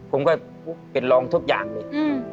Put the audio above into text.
ผมก็เป็นรองทุกอย่างเลย